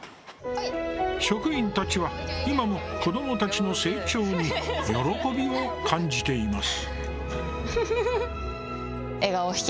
職員たちは今も子どもたちの成長に喜びを感じています。